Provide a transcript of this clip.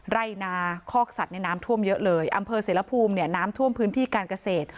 ไร่นาคอกสัตว์ในน้ำท่วมเยอะเลยอำเภอเสรภูมิเนี่ยน้ำท่วมพื้นที่การเกษตร